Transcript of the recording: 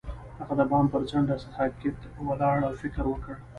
هغه د بام پر څنډه ساکت ولاړ او فکر وکړ.